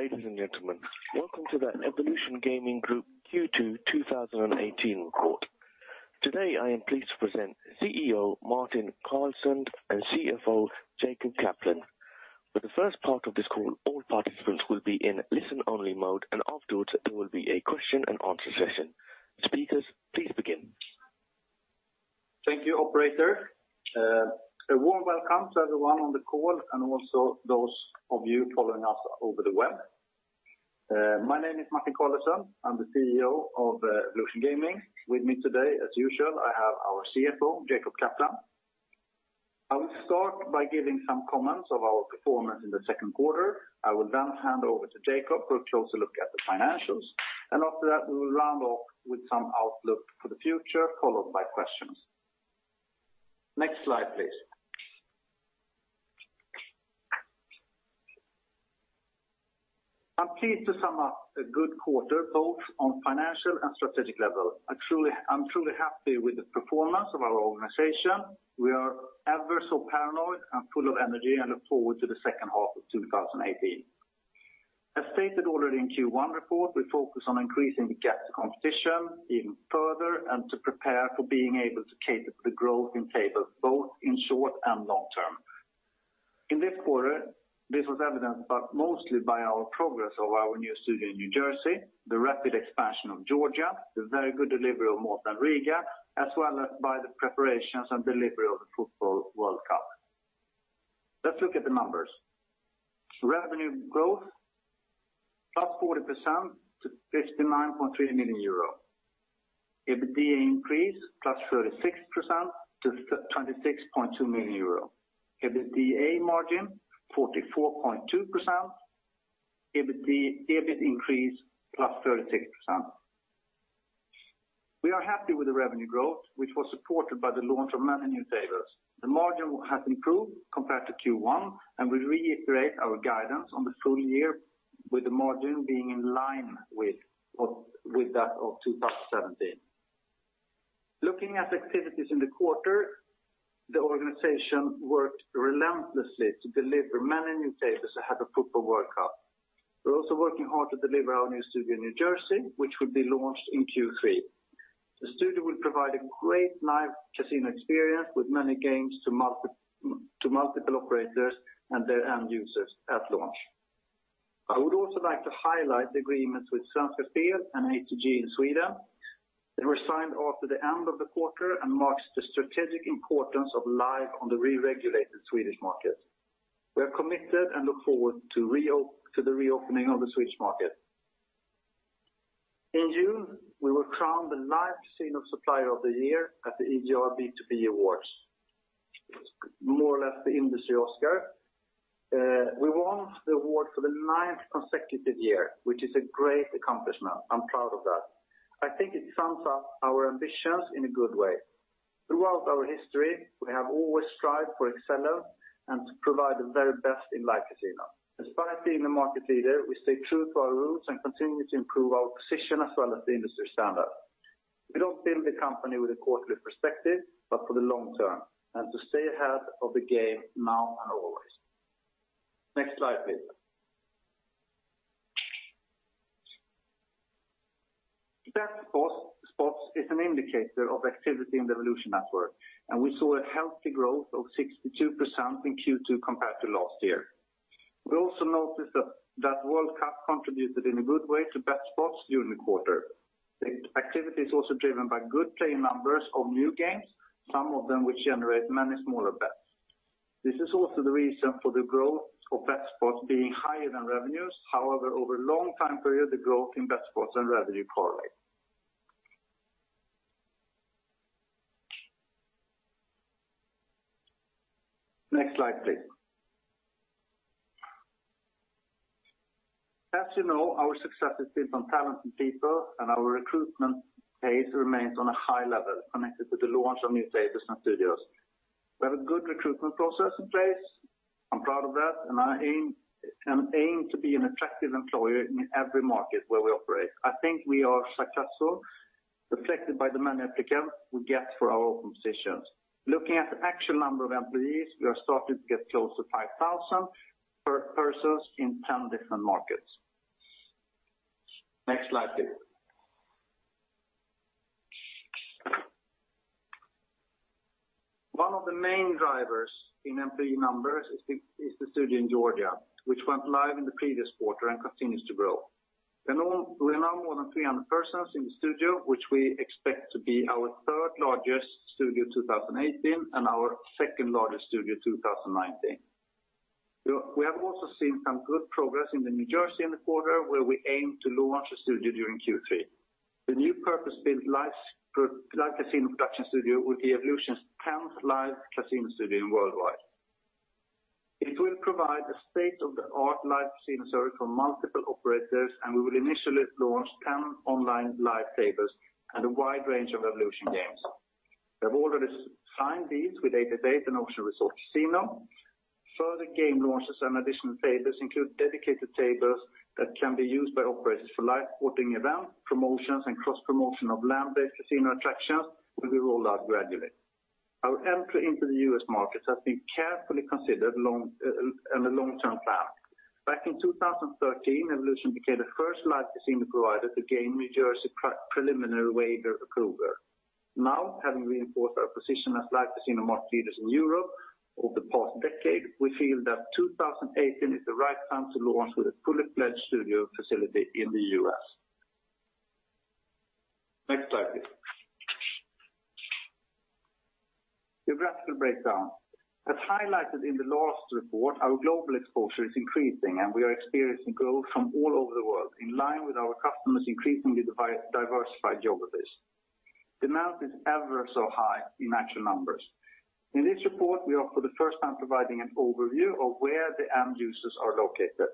Ladies and gentlemen, welcome to the Evolution Gaming Group Q2 2018 report. Today, I am pleased to present CEO Martin Carlesund and CFO Jacob Kaplan. For the first part of this call, all participants will be in listen-only mode. Afterwards, there will be a question-and-answer session. Speakers, please begin. Thank you, operator. A warm welcome to everyone on the call and also those of you following us over the web. My name is Martin Carlesund. I'm the CEO of Evolution Gaming. With me today, as usual, I have our CFO, Jacob Kaplan. I will start by giving some comments of our performance in the second quarter. I will hand over to Jacob for a closer look at the financials. After that, we will round off with some outlook for the future, followed by questions. Next slide, please. I'm pleased to sum up a good quarter, both on financial and strategic level. I'm truly happy with the performance of our organization. We are ever so paranoid and full of energy and look forward to the second half of 2018. As stated already in Q1 report, we focus on increasing the gap to competition even further and to prepare for being able to cater for the growth in tables, both in short and long term. In this quarter, this was evidenced mostly by our progress of our new studio in New Jersey, the rapid expansion of Georgia, the very good delivery of Malta and Riga, as well as by the preparations and delivery of the Football World Cup. Let's look at the numbers. Revenue growth, +40% to 59.3 million euro. EBITDA increased +36% to 26.2 million euro. EBITDA margin, 44.2%. EBIT increased +36%. We are happy with the revenue growth, which was supported by the launch of many new tables. The margin has improved compared to Q1. We reiterate our guidance on the full year with the margin being in line with that of 2017. Looking at activities in the quarter, the organization worked relentlessly to deliver many new tables ahead of Football World Cup. We're also working hard to deliver our new studio in New Jersey, which will be launched in Q3. The studio will provide a great Live Casino experience with many games to multiple operators and their end users at launch. I would also like to highlight agreements with Svensk Travsport and ATG in Sweden that were signed after the end of the quarter and marks the strategic importance of live on the re-regulated Swedish market. We are committed and look forward to the reopening of the Swedish market. In June, we were crowned the Live Casino Supplier of the Year at the EGR B2B Awards. More or less the industry Oscar. We won the award for the ninth consecutive year, which is a great accomplishment. I'm proud of that. I think it sums up our ambitions in a good way. Throughout our history, we have always strived for excellence and to provide the very best in Live Casino. Despite being a market leader, we stay true to our roots and continue to improve our position as well as the industry standard. We don't build the company with a quarterly perspective, but for the long term and to stay ahead of the game now and always. Next slide, please. bet spots is an indicator of activity in the Evolution network, we saw a healthy growth of 62% in Q2 compared to last year. We also noticed that World Cup contributed in a good way to bet spots during the quarter. The activity is also driven by good play numbers of new games, some of them which generate many smaller bets. This is also the reason for the growth of bet spots being higher than revenues. However, over a long time period, the growth in bet spots and revenue correlate. Next slide, please. As you know, our success is built on talented people and our recruitment pace remains on a high level connected to the launch of new tables and studios. We have a good recruitment process in place. I'm proud of that, I aim to be an attractive employer in every market where we operate. I think we are successful, reflected by the many applicants we get for our open positions. Looking at the actual number of employees, we are starting to get close to 5,000 persons in 10 different markets. Next slide, please. One of the main drivers in employee numbers is the studio in Georgia, which went live in the previous quarter and continues to grow. There are now more than 300 persons in the studio, which we expect to be our third largest studio 2018 and our second largest studio 2019. We have also seen some good progress in the New Jersey in the quarter where we aim to launch a studio during Q3. The new purpose-built Live Casino production studio will be Evolution's 10th Live Casino studio worldwide. It will provide a state-of-the-art Live Casino service for multiple operators, we will initially launch 10 online live tables and a wide range of Evolution games. We have already signed deals with 888 and Ocean Resort Casino. Further game launches and additional tables include dedicated tables that can be used by operators for live sporting events, promotions, and cross-promotion of land-based casino attractions will be rolled out gradually. Our entry into the U.S. market has been carefully considered and a long-term plan. Back in 2013, Evolution became the first Live Casino provider to gain New Jersey preliminary waiver approval. Now, having reinforced our position as Live Casino market leaders in Europe over the past decade, we feel that 2018 is the right time to launch with a fully-fledged studio facility in the U.S. Next slide, please. Geographical breakdown. As highlighted in the last report, our global exposure is increasing, we are experiencing growth from all over the world, in line with our customers' increasingly diversified geographies. Demand is ever so high in actual numbers. In this report, we are for the first time providing an overview of where the end users are located.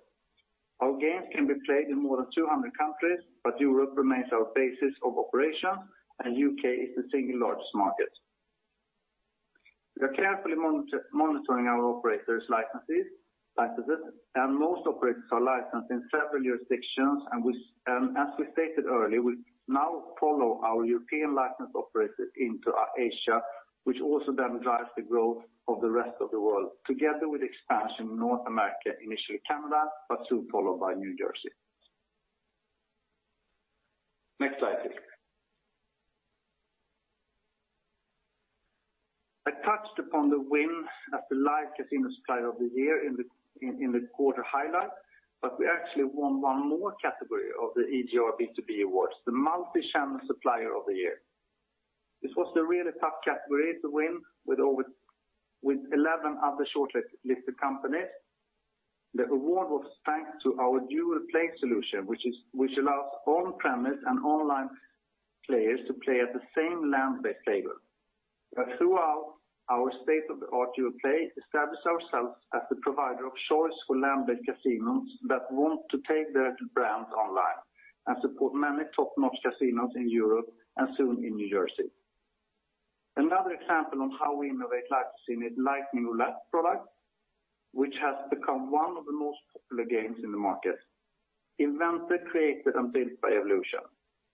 Our games can be played in more than 200 countries, Europe remains our basis of operation, U.K. is the single largest market. We are carefully monitoring our operators' licenses. Most operators are licensed in several jurisdictions. As we stated earlier, we now follow our European licensed operators into Asia, which also then drives the growth of the rest of the world, together with expansion in North America, initially Canada, but soon followed by New Jersey. Next slide, please. I touched upon the win of the Live Casino Supplier of the Year in the quarter highlight. We actually won one more category of the EGR B2B Awards, the Multi-Channel Supplier of the Year. This was a really tough category to win with 11 other shortlisted companies. The award was thanks to our Dual Play solution, which allows on-premise and online players to play at the same land-based table. Throughout our state-of-the-art Dual Play, we established ourselves as the provider of choice for land-based casinos that want to take their brands online and support many top-notch casinos in Europe and soon in New Jersey. Another example on how we innovate Live Casino is Lightning Roulette product, which has become one of the most popular games in the market. Invented, created, and built by Evolution.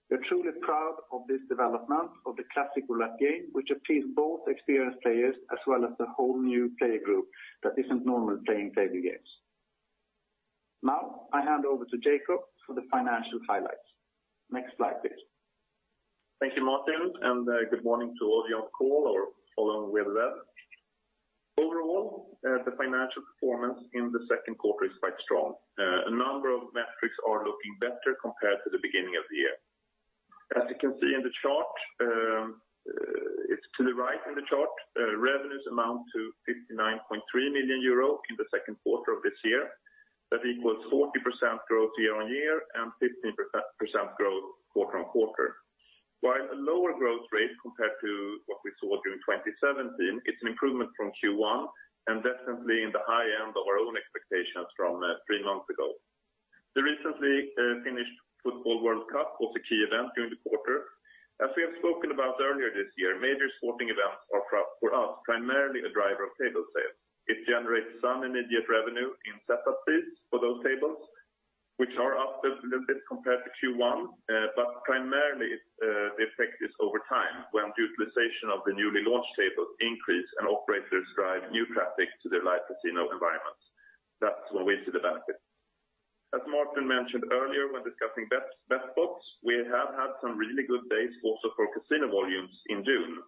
We're truly proud of this development of the classic roulette game, which appeals both experienced players as well as the whole new player group that isn't normally playing table games. Now, I hand over to Jacob for the financial highlights. Next slide, please. Thank you, Martin, and good morning to all you on call or following via the web. Overall, the financial performance in the second quarter is quite strong. A number of metrics are looking better compared to the beginning of the year. As you can see in the chart, it's to the right in the chart, revenues amount to 59.3 million euro in the second quarter of this year. That equals 40% growth year-on-year and 15% growth quarter-on-quarter. While a lower growth rate compared to what we saw during 2017, it's an improvement from Q1 and definitely in the high end of our own expectations from three months ago. The recently finished Football World Cup was a key event during the quarter. As we have spoken about earlier this year, major sporting events are for us, primarily a driver of table sales. It generates some immediate revenue in setup fees for those tables, which are up a little bit compared to Q1. Primarily, the effect is over time when utilization of the newly launched tables increase and operators drive new traffic to their live casino environments. That's when we see the benefit. As Martin mentioned earlier when discussing bet spots, we have had some really good days also for casino volumes in June.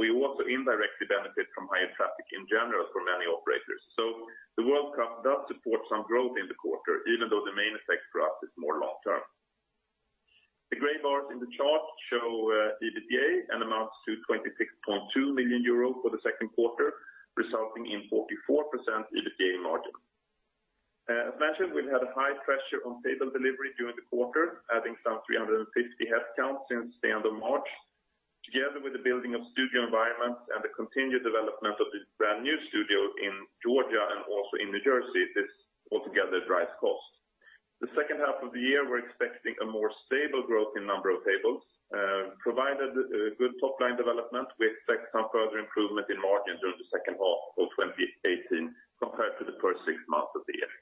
We also indirectly benefit from higher traffic in general from many operators. The Football World Cup does support some growth in the quarter, even though the main effect for us is more long-term. The gray bars in the chart show EBITDA and amounts to 26.2 million euros for the second quarter, resulting in 44% EBITDA margin. As mentioned, we've had a high pressure on table delivery during the quarter, adding some 350 headcount since the end of March. Together with the building of studio environments and the continued development of this brand-new studio in Georgia and also in New Jersey, this altogether drives costs. The second half of the year, we're expecting a more stable growth in number of tables. Provided good top-line development, we expect some further improvement in margins during the second half of 2018 compared to the first six months of the year.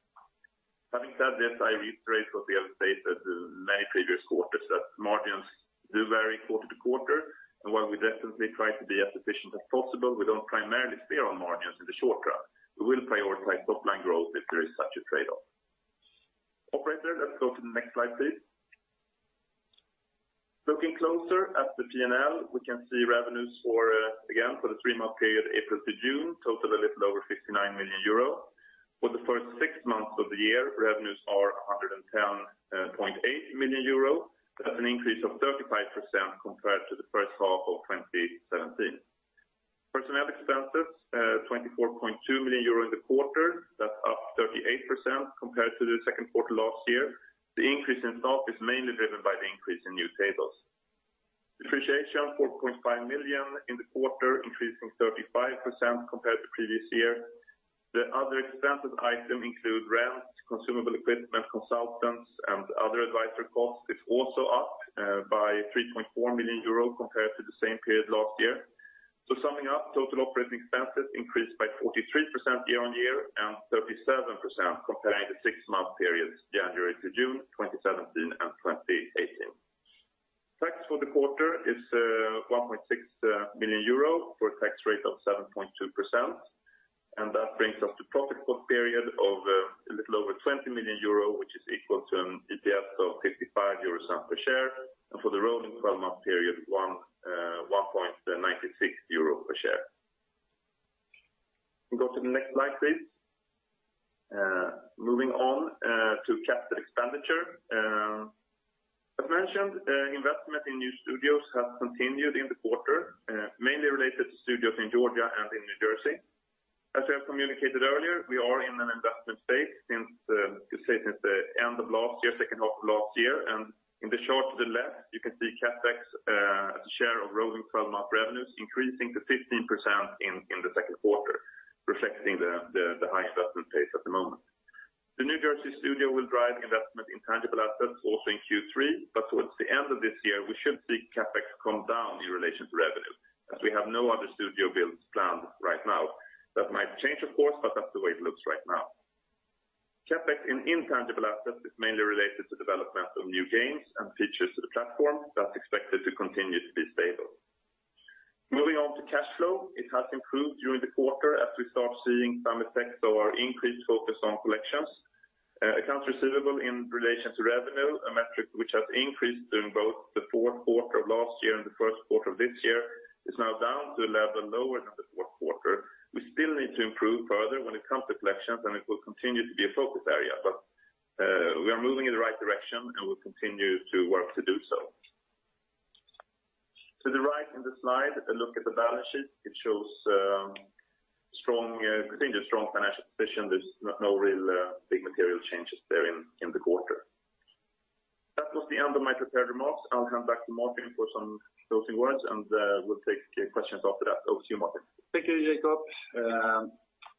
Having said this, I reiterate what we have stated in many previous quarters that margins do vary quarter to quarter, and while we definitely try to be as efficient as possible, we don't primarily steer on margins in the short run. We will prioritize top-line growth if there is such a trade-off. Operator, let's go to the next slide, please. Looking closer at the P&L, we can see revenues for, again, for the three-month period, April to June, total a little over 59 million euro. For the first six months of the year, revenues are 110.8 million euro. That's an increase of 35% compared to the first half of 2017. Personnel expenses, 24.2 million euro in the quarter. That's up 38% compared to the second quarter last year. The increase itself is mainly driven by the increase in new tables. Depreciation, 4.5 million in the quarter, increased from 35% compared to previous year. The other expenses item include rent, consumable equipment, consultants, and other advisory costs is also up by 3.4 million euro compared to the same period last year. Summing up, total operating expenses increased by 43% year-on-year and 37% comparing the six-month periods January to June 2017 and 2018. Tax for the quarter is 1.6 million euro for a tax rate of 7.2%, that brings us to profit per period of a little over 20 million euro, which is equal to an EPS of 0.55 euros per share, and for the rolling 12-month period, 1.96 euro per share. Go to the next slide, please. Moving on to capital expenditure. As mentioned, investment in new studios has continued in the quarter, mainly related to studios in Georgia and in New Jersey. As I have communicated earlier, we are in an investment phase since the end of last year, second half of last year, in the chart to the left, you can see CapEx as a share of rolling 12-month revenues increasing to 15% in the second quarter, reflecting the high investment pace at the moment. The New Jersey studio will drive investment in tangible assets also in Q3, towards the end of this year, we should see CapEx come down in relation to revenue, as we have no other studio builds planned right now. That might change, of course, but that's the way it looks right now. CapEx in intangible assets is mainly related to development of new games and features to the platform that's expected to continue to be stable. Moving on to cash flow, it has improved during the quarter as we start seeing some effects of our increased focus on collections. Accounts receivable in relation to revenue, a metric which has increased during both the fourth quarter of last year and the first quarter of this year, is now down to a level lower than the fourth quarter. We still need to improve further when it comes to collections, and it will continue to be a focus area. But we are moving in the right direction, and we will continue to work to do so. To the right in the slide, at a look at the balance sheet, it shows a strong financial position. There is no real big material changes there in the quarter. That was the end of my prepared remarks. I will hand back to Martin for some closing words, and we will take questions after that. Over to you, Martin. Thank you, Jacob.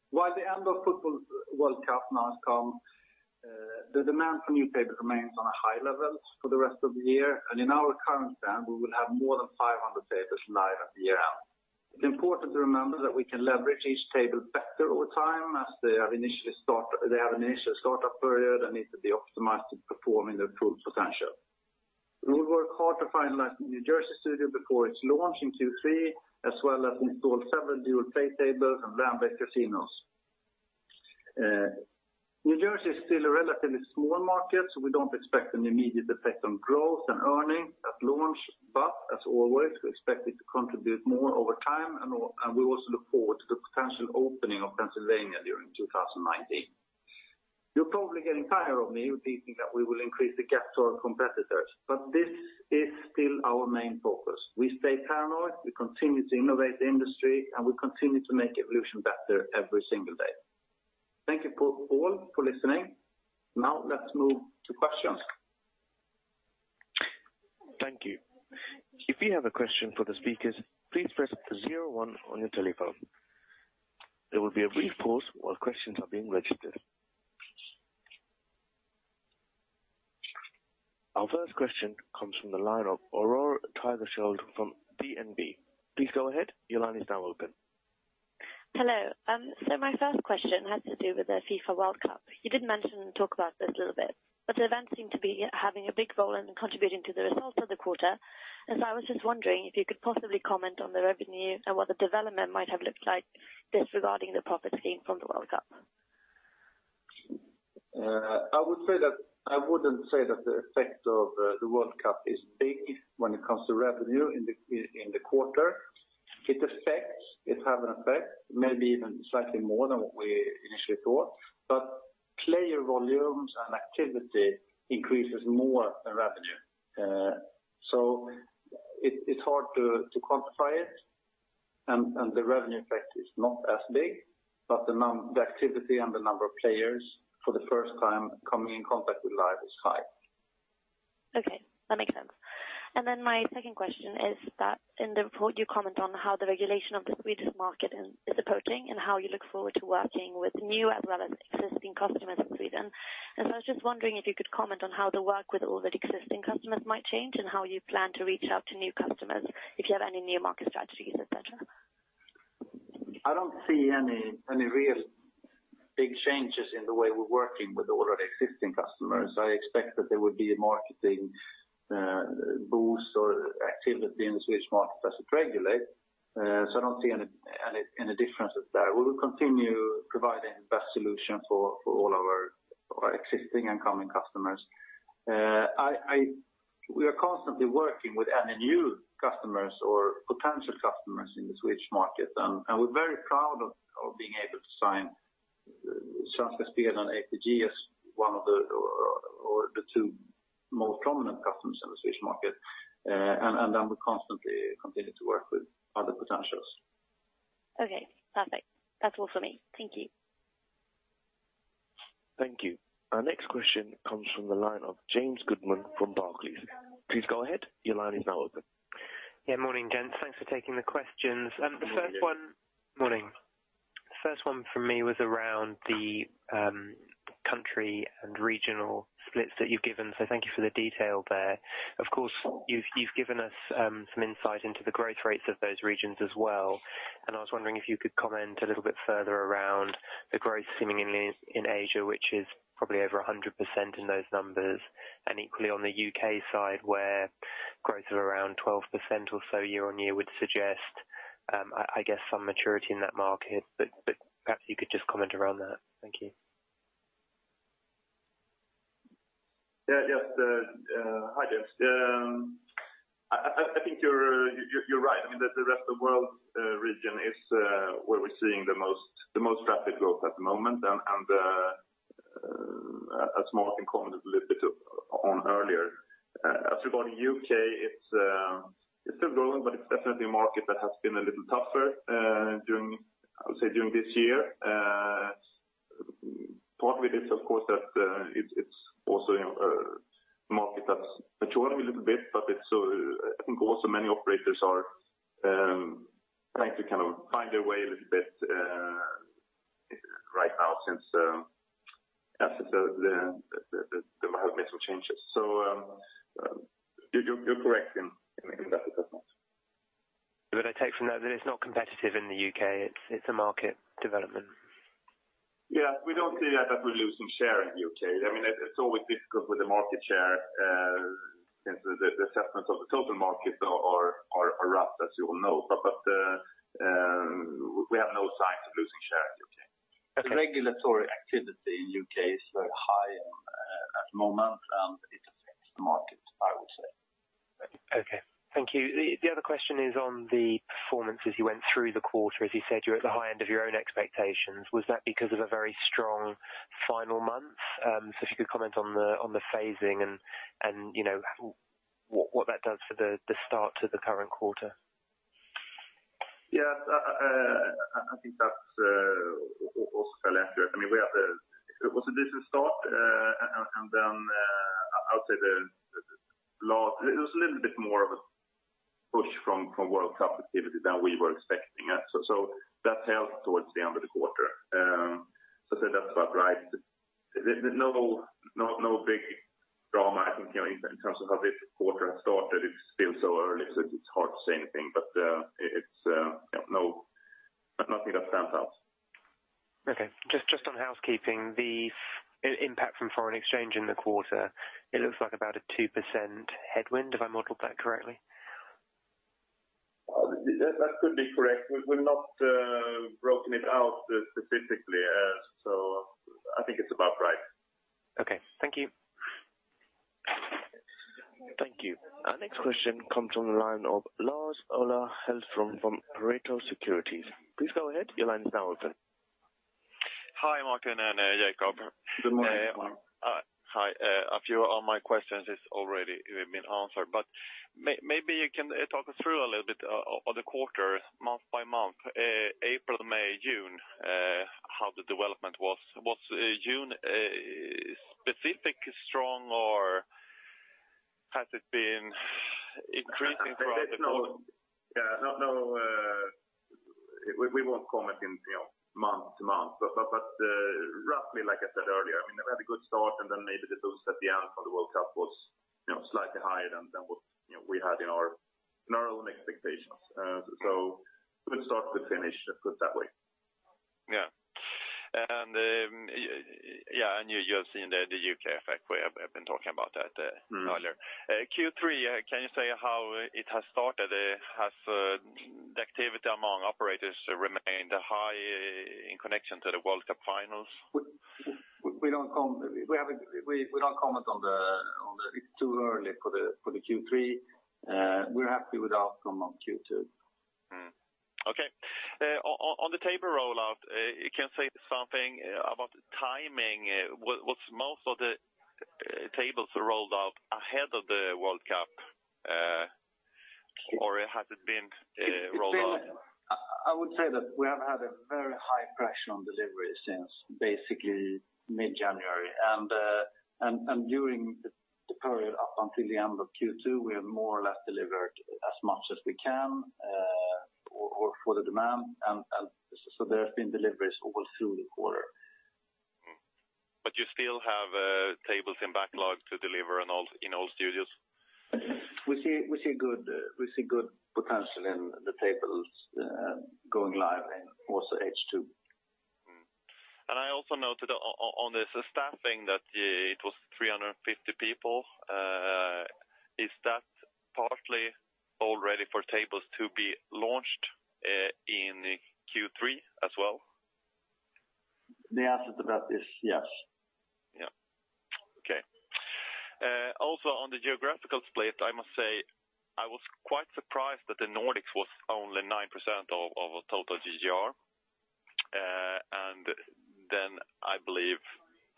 While the end of Football World Cup now has come, the demand for new tables remains on a high level for the rest of the year, and in our current stand, we will have more than 500 tables live at year-end. It is important to remember that we can leverage each table better over time as they have initial startup period and need to be optimized to perform in their full potential. We will work hard to finalize the New Jersey studio before its launch in Q3, as well as install several new Dual Play tables in land-based casinos. New Jersey is still a relatively small market, so we do not expect an immediate effect on growth and earning at launch. But as always, we expect it to contribute more over time, and we also look forward to the potential opening of Pennsylvania during 2019. You are probably getting tired of me repeating that we will increase the gaps to our competitors, but this is still our main focus. We stay paranoid, we continue to innovate the industry, and we continue to make Evolution better every single day. Thank you all for listening. Now, let's move to questions. Thank you. If you have a question for the speakers, please press zero one on your telephone. There will be a brief pause while questions are being registered. Our first question comes from the line of Rasmus Engberg from Handelsbanken Capital Markets. Please go ahead. Your line is now open. Hello. My first question has to do with the FIFA World Cup. You did mention and talk about this a little bit. The event seemed to be having a big role in contributing to the results of the quarter. I was just wondering if you could possibly comment on the revenue and what the development might have looked like disregarding the profit gain from the World Cup. I wouldn't say that the effect of the World Cup is big when it comes to revenue in the quarter. It has an effect, maybe even slightly more than what we initially thought. Player volumes and activity increases more than revenue. It's hard to quantify it. The revenue effect is not as big. The activity and the number of players for the first time coming in contact with Live is high. Okay, that makes sense. My second question is that in the report you comment on how the regulation of the Swedish market is approaching and how you look forward to working with new as well as existing customers in Sweden. I was just wondering if you could comment on how the work with already existing customers might change and how you plan to reach out to new customers, if you have any new market strategies, et cetera. I don't see any real big changes in the way we're working with already existing customers. I expect that there would be a marketing boost or activity in the Swedish market as it regulates. I don't see any difference there. We will continue providing the best solution for all our existing and coming customers. We are constantly working with any new customers or potential customers in the Swedish market. We're very proud of being able to sign Svenska Spel on ATG as one of the two most prominent customers in the Swedish market. We constantly continue to work with other potentials. Okay, perfect. That's all from me. Thank you. Thank you. Our next question comes from the line of James Goodman from Barclays. Please go ahead. Your line is now open. Morning, gents. Thanks for taking the questions. Morning. Morning. First one from me was around the country and regional splits that you've given. Thank you for the detail there. Of course, you've given us some insight into the growth rates of those regions as well, I was wondering if you could comment a little bit further around the growth seemingly in Asia, which is probably over 100% in those numbers, equally on the U.K. side, where growth of around 12% or so year-on-year would suggest I guess some maturity in that market. Perhaps you could just comment around that. Thank you. Yes. Hi, James. I think you're right, that the rest of world region is where we're seeing the most traffic growth at the moment. As Martin commented a little bit on earlier. As regards U.K., it's still growing, but it's definitely a market that has been a little tougher during this year. Part of it is, of course, that it's also a market that's maturing a little bit. I think also many operators are trying to kind of find their way a little bit right now since after they might have made some changes. You're correct in that assessment. I take from that it's not competitive in the U.K. It's a market development. Yeah. We don't see that we're losing share in the U.K. It's always difficult with the market share since the assessments of the total markets are rough, as you will know. We have no signs of losing share in the U.K. The regulatory activity in U.K. is very high at the moment, it affects the market, I would say. Okay. Thank you. The other question is on the performance as you went through the quarter. As you said, you're at the high end of your own expectations. Was that because of a very strong final month? If you could comment on the phasing and what that does for the start to the current quarter. Yes, I think that's also fairly accurate. It was a decent start, then it was a little bit more of a push from World Cup activity than we were expecting. That helped towards the end of the quarter. That's about right. There's no big drama, I think, in terms of how this quarter has started. It's still so early, it's hard to say anything. Nothing that stands out. Okay. Just on housekeeping, the impact from foreign exchange in the quarter, it looks like about a 2% headwind. Have I modeled that correctly? That could be correct. We've not broken it out specifically. I think it's about right. Okay. Thank you. Thank you. Our next question comes from the line of Lars-Ola Hellström from Pareto Securities. Please go ahead. Your line is now open. Hi, Martin and Jacob. Good morning. Hi. A few of my questions has already been answered, Maybe you can talk us through a little bit of the quarter month by month, April, May, June, how the development was. Was June specifically strong, or has it been increasing throughout the quarter? We won't comment month to month, Roughly like I said earlier, we had a good start Then maybe the boost at the end from the World Cup was slightly higher than what we had in our own expectations. Good start to finish. Let's put it that way. Yeah. You have seen the U.K. effect. We have been talking about that earlier. Q3, can you say how it has started? Has the activity among operators remained high in connection to the World Cup finals? It's too early for the Q3. We're happy with the outcome on Q2. Okay. On the table rollout, can you say something about the timing? Was most of the tables rolled out ahead of the World Cup, or has it been rolled out? I would say that we have had a very high pressure on delivery since basically mid-January, and during the period up until the end of Q2, we have more or less delivered as much as we can for the demand. There have been deliveries almost through the quarter. You still have tables in backlog to deliver in all studios? We see good potential in the tables going live in also H2. I also noted on the staffing that it was 350 people. Is that partly all ready for tables to be launched in Q3 as well? The answer to that is yes. Yeah. Okay. Also on the geographical split, I must say I was quite surprised that the Nordics was only 9% of total GGR. I believe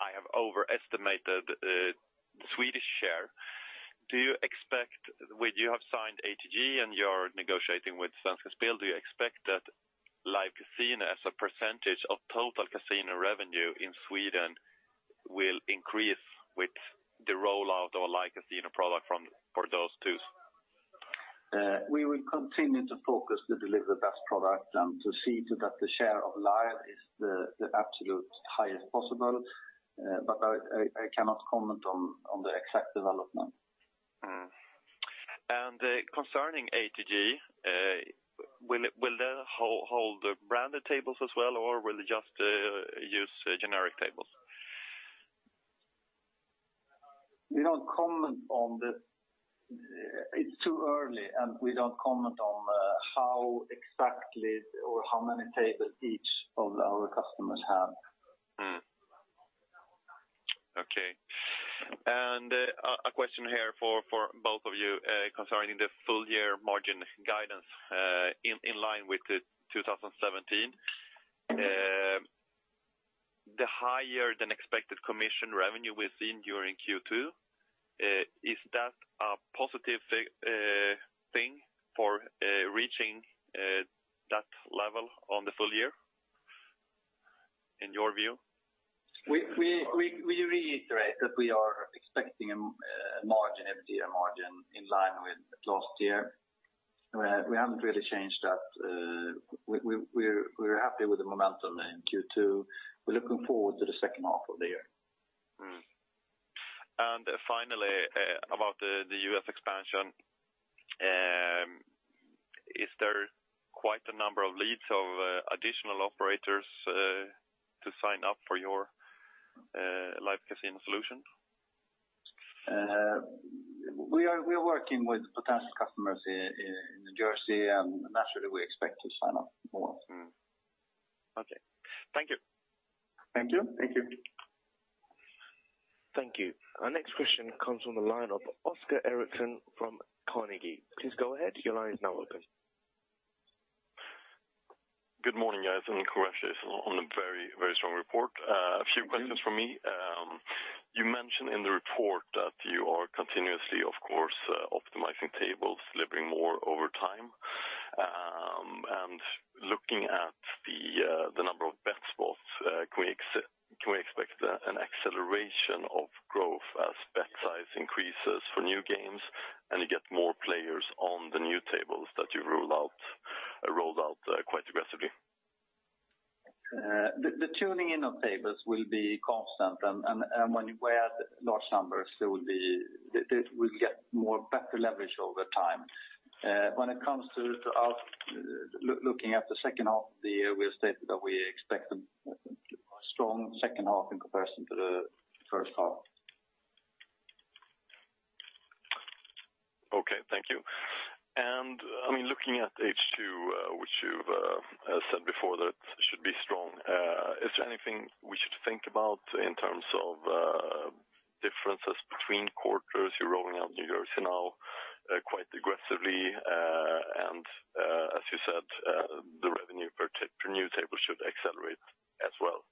I have overestimated the Swedish share. You have signed ATG, and you are negotiating with Svenska Spel. Do you expect that Live Casino as a percentage of total casino revenue in Sweden will increase with the rollout of a Live Casino product for those two? We will continue to focus to deliver the best product and to see to that the share of Live is the absolute highest possible. I cannot comment on the exact development. Concerning ATG, will they hold the branded tables as well, or will they just use generic tables? It's too early. We don't comment on how exactly or how many tables each of our customers have. Okay. A question here for both of you concerning the full year margin guidance in line with 2017. The higher-than-expected commission revenue we've seen during Q2, is that a positive thing for reaching that level on the full year in your view? We reiterate that we are expecting an EBITDA margin in line with last year. We haven't really changed that. We're happy with the momentum in Q2. We're looking forward to the second half of the year. Finally, about the U.S. expansion. Is there quite a number of leads of additional operators to sign up for your Live Casino solution? We are working with potential customers in New Jersey, naturally, we expect to sign up more. Okay. Thank you. Thank you. Thank you. Our next question comes from the line of Oscar Erixon from Carnegie. Please go ahead. Your line is now open. Good morning, guys, and congratulations on a very strong report. A few questions from me. You mentioned in the report that you are continuously, of course, optimizing tables, delivering more over time. Looking at the number of bet spots, can we expect an acceleration of growth as bet size increases for new games and you get more players on the new tables that you rolled out quite aggressively? The tuning in of tables will be constant, and when you add large numbers, it will get more better leverage over time. When it comes to looking at the second half of the year, we have stated that we expect a strong second half in comparison to the first half. Okay, thank you. Looking at H2, which you've said before that should be strong, is there anything we should think about in terms of differences between quarters? You're rolling out New Jersey now quite aggressively, and as you said, the revenue per new table should accelerate as well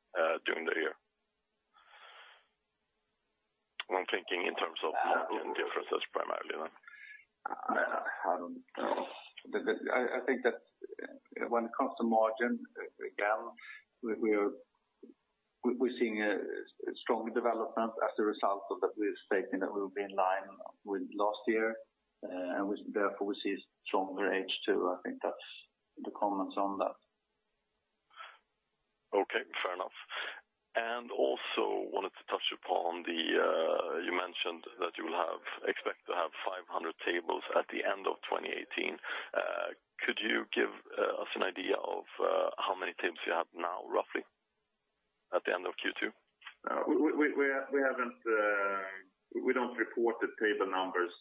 during the year. I'm thinking in terms of margin differences primarily now. I think that when it comes to margin, again, we're seeing a strong development as a result of that. We have stated that we'll be in line with last year, and therefore we see a stronger H2. I think that's the comments on that. Okay, fair enough. Also wanted to touch upon the. You mentioned that you expect to have 500 tables at the end of 2018. Could you give us an idea of how many tables you have now, roughly at the end of Q2? We don't report the table numbers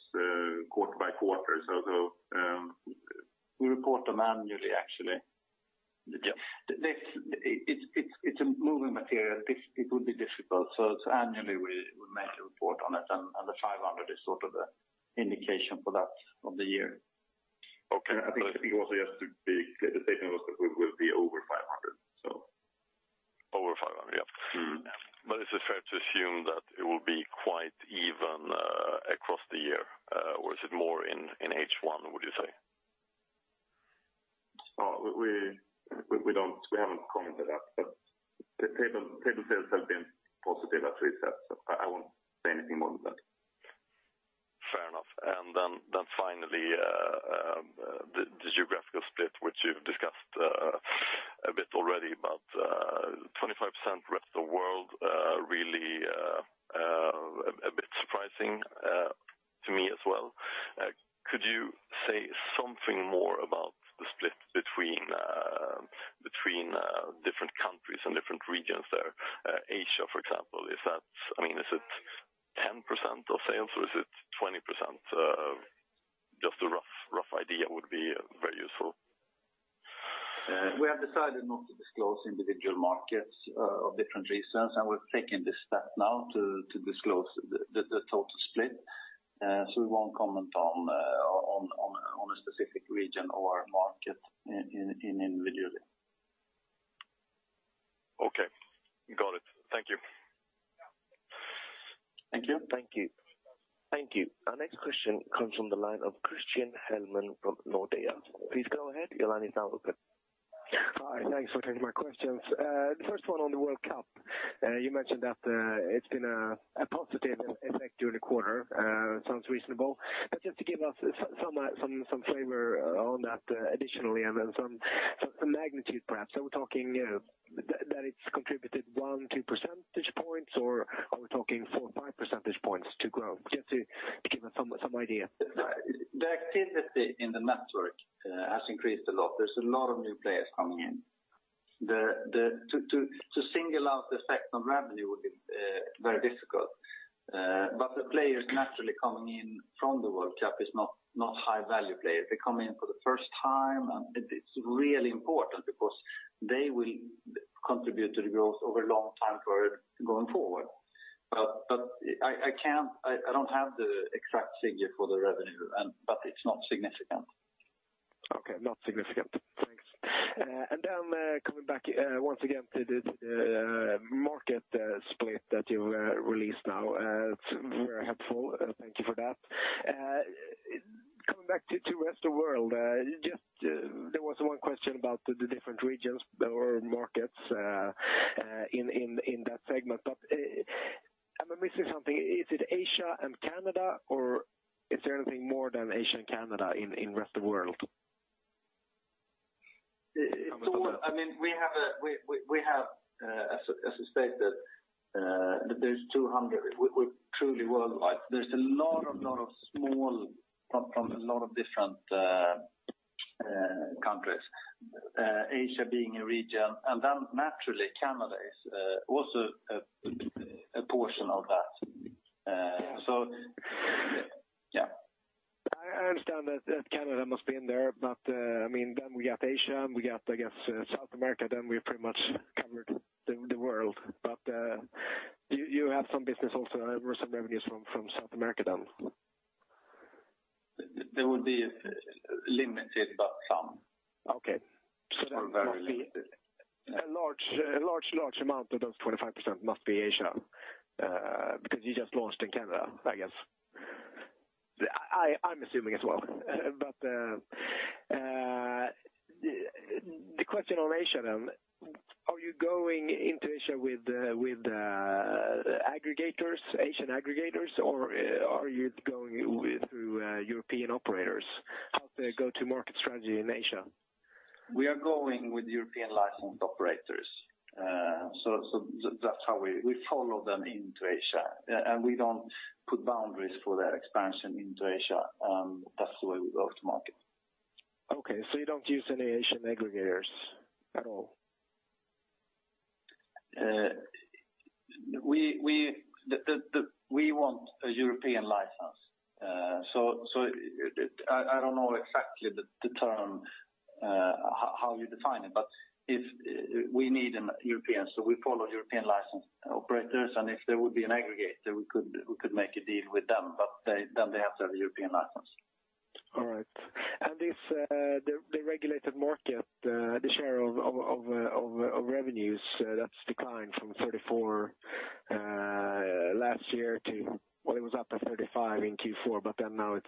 quarter by quarter. We report them annually, actually. It's a moving material. It would be difficult. It's annually we make a report on it, and the 500 is sort of the indication for that of the year. Okay. I think it was just the statement was that we will be over 500. Over 500, yeah. Is it fair to assume that it will be quite even across the year or is it more in H1, would you say? We haven't commented that, but the table sales have been positive, as we said, so I won't say anything more than that. Fair enough. Finally, the geographical split, which you've discussed a bit already, but 25% rest of world, really a bit surprising to me as well. Could you say something more about the split between different countries and different regions there? Asia, for example, is it 10% of sales or is it 20%? Just a rough idea would be very useful. We have decided not to disclose individual markets of different regions, we're taking this step now to disclose the total split. We won't comment on a specific region or market individually. Okay. Got it. Thank you. Thank you. Thank you. Our next question comes from the line of Christian Hellman from Nordea. Please go ahead. Your line is now open. Hi. Thanks for taking my questions. The first one on the World Cup. You mentioned that it's been a positive effect during the quarter. Sounds reasonable. Just to give us some flavor on that additionally and some magnitude, perhaps. Are we talking that it's contributed one, two percentage points, or are we talking four or five percentage points to grow? Just to give us some idea. The activity in the network has increased a lot. There's a lot of new players coming in. To single out the effect on revenue would be very difficult. The players naturally coming in from the World Cup is not high-value players. They're coming in for the first time, and it's really important because they will contribute to the growth over a long time period going forward. I don't have the exact figure for the revenue, but it's not significant. Okay. Not significant. Thanks. Coming back once again to the market split that you released now. It's very helpful. Thank you for that. Coming back to Rest of World, there was one question about the different regions or markets in that segment. Am I missing something? Is it Asia and Canada, or is there anything more than Asia and Canada in Rest of World? As we stated, there's 200. We're truly worldwide. There's a lot of small from a lot of different countries. Asia being a region, naturally Canada is also a portion of that. Yeah. I understand that Canada must be in there. We got Asia, we got, I guess, South America, we pretty much covered the world. You have some business also or some revenues from South America then? There would be limited, but some. Okay. Very limited. A large amount of those 25% must be Asia, because you just launched in Canada, I guess. I'm assuming as well. The question on Asia then, are you going into Asia with Asian aggregators, or are you going through European operators? How's the go-to market strategy in Asia? We are going with European licensed operators. That's how we follow them into Asia. We don't put boundaries for their expansion into Asia. That's the way we go to market. Okay. You don't use any Asian aggregators at all? We want a European license. I don't know exactly the term, how you define it, but we need an European, so we follow European license operators, and if there would be an aggregator, we could make a deal with them, but then they have to have a European license. All right. The regulated market, the share of revenues, that's declined from 34% last year to, well, it was up at 35% in Q4, now it's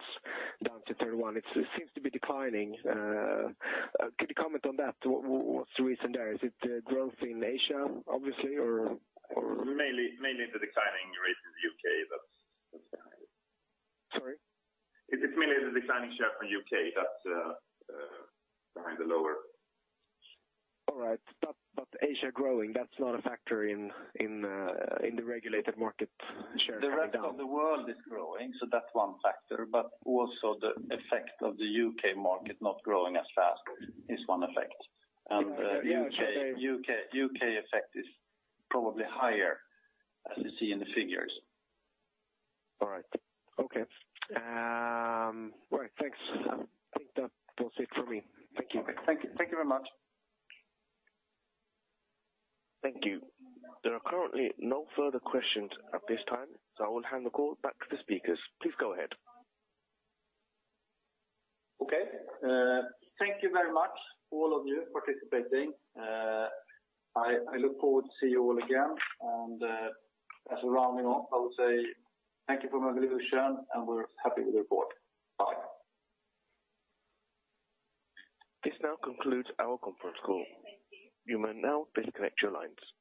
down to 31%. It seems to be declining. Could you comment on that? What's the reason there? Is it growth in Asia, obviously, or? Mainly the declining rate in the U.K. that's behind it. Sorry? It's mainly the declining share from U.K. that's behind the lower. All right. Asia growing, that's not a factor in the regulated market share coming down. The rest of the world is growing, that's one factor, but also the effect of the U.K. market not growing as fast is one effect. The U.K. effect is probably higher as you see in the figures. All right. Okay. Thanks. I think that was it for me. Thank you. Okay. Thank you very much. Thank you. There are currently no further questions at this time, I will hand the call back to the speakers. Please go ahead. Okay. Thank you very much all of you participating. I look forward to see you all again. As a rounding off, I would say thank you from Evolution, and we're happy with the report. Bye. This now concludes our conference call. You may now disconnect your lines.